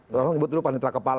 tolong nyebut dulu panitera kepala